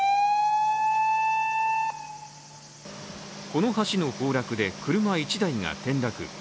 この橋の崩落で車１台が転落。